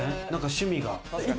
趣味が。